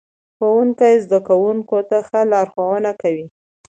ښوونکی زده کوونکو ته ښه لارښوونه کوي